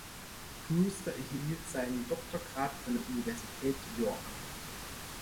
Brewster erhielt seinen Doktorgrad von der Universität York.